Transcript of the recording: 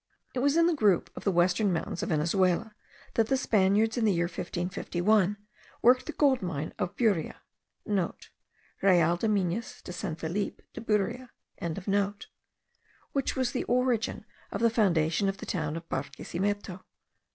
It was in the group of the western mountains of Venezuela, that the Spaniards, in the year 1551, worked the gold mine of Buria,* (* Real de Minas de San Felipe de Buria.) which was the origin of the foundation of the town of Barquisimeto.